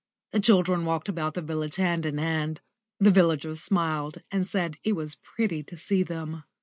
The children walked about the village hand in hand. The villagers smiled and said it was pretty to see them.